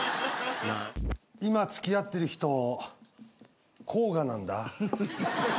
今付き合ってる人甲賀なんだ。